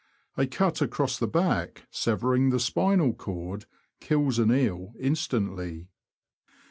A cut across the back, severing the spinal cord, kills an eel instantly.